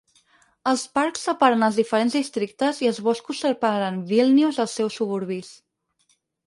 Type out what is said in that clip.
Els parcs separen els diferents districtes i els boscos separen Vílnius dels seus suburbis.